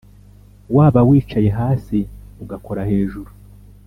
Waba wicaye hasi ugakora hejuru